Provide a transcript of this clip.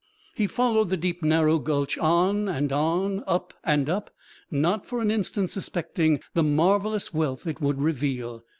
He followed the deep narrow gulch on and on, up and up, not for an instant suspecting the marvelous wealth it would reveal.